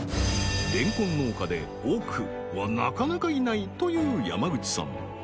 レンコン農家で億はなかなかいないという山口さん